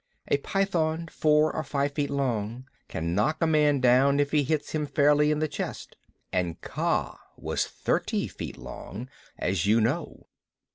A python four or five feet long can knock a man down if he hits him fairly in the chest, and Kaa was thirty feet long, as you know.